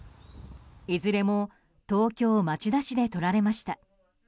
いずれも東京・町田市で撮られました。